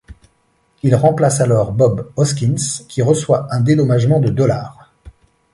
Il remplace alors Bob Hoskins, qui reçoit un dédommagement de dollars.